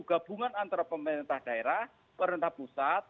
gabungan antara pemerintah daerah pemerintah pusat